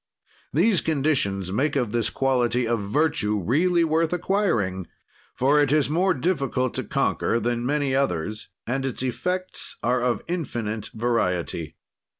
These conditions make of this quality a virtue really worth acquiring, for it is more difficult to conquer than many others and its effects are of infinite variety.